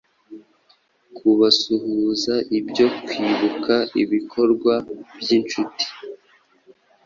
kubasuhuza ibyo kwibuka ibikorwa byinshuti